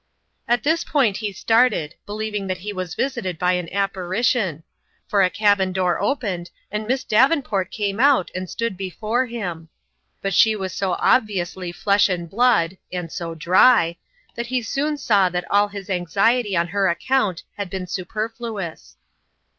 At this point he started, believing that he was visited by an apparition ; for a cabin door opened, and Miss Davenport came out and stood before him. But she was so obviously flesh and blood and so dry that he soon saw that all his anxiety on her account had been super fluous.